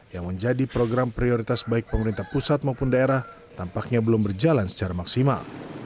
yang menjadi program prioritas baik pemerintah pusat maupun daerah tampaknya belum berjalan secara maksimal